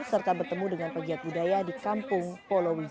serta bertemu dengan pegiat budaya di kampung polowijaya